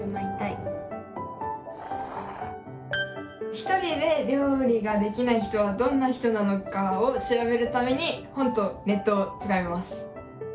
ひとりで料理ができない人はどんな人なのかを調べるために本とネットを使います。